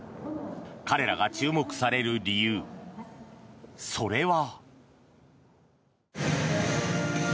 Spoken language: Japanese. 彼らが注目される理由それは。